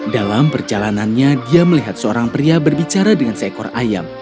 dalam perjalanannya dia melihat seorang pria berbicara dengan seekor ayam